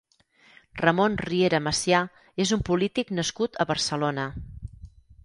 Ramón Riera Macià és un polític nascut a Barcelona.